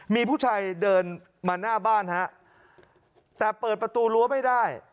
มีผู้ชายเดินมาหน้าบ้านฮะแต่เปิดประตูรั้วไม่ได้